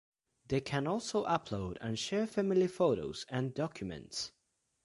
They can also upload and share family photos and documents.